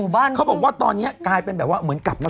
แล้วก็ไม่พออีกผี่เสื้อไม้ไฟ